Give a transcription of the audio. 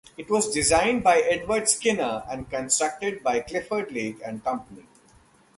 It was designed by Edward Skinner and constructed by Clifford Lake and Company.